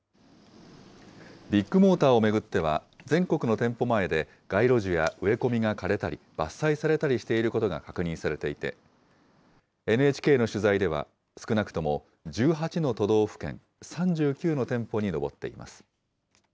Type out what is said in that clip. ビッグモーターを巡っては、全国の店舗前で、街路樹や植え込みが枯れたり、伐採されたりしていることが確認されていて、ＮＨＫの取材では、少なくとも１８の都道府県、３９の店舗に上っています。